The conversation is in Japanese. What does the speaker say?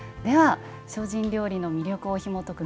精進料理の魅力をひもとく